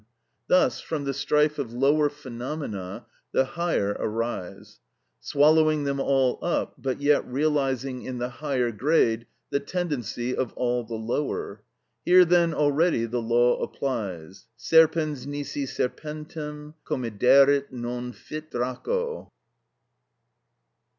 Thus from the strife of lower phenomena the higher arise, swallowing them all up, but yet realising in the higher grade the tendency of all the lower. Here, then, already the law applies—_Serpens nisi serpentem comederit non fit draco.